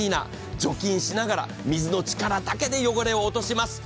除菌しながら、水の力だけで汚れを落とします。